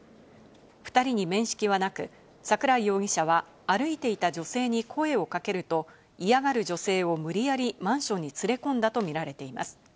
２人に面識はなく、桜井容疑者は歩いていた女性に声をかけると、嫌がる女性を無理やりマンションに連れ込んだとみられています。